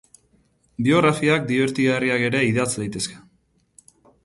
Biografiak dibertigarriak ere idatz daitezke.